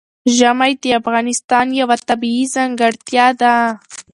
ژمی د افغانستان یوه طبیعي ځانګړتیا ده.